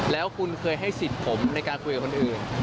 แล้วคุณเคยให้สิทธิ์ผมในการคุยกับคนอื่น